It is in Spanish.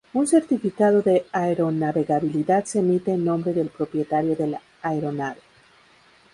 Un certificado de aeronavegabilidad se emite en nombre del propietario del aeronave.